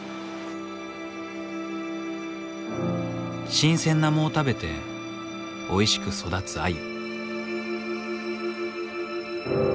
新鮮な藻を食べておいしく育つアユ。